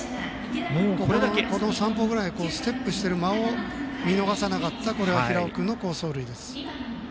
この３歩ぐらいステップしている間を見逃さなかった平尾君の好走塁です。